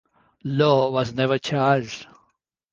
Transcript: Lo was never charged.